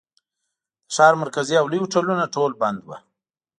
د ښار مرکزي او لوی هوټلونه ټول بند ول.